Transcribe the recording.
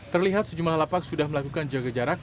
terlihat sejumlah lapak sudah melakukan jaga jarak